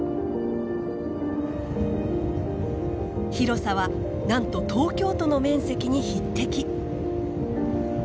広さはなんと東京都の面積に匹敵。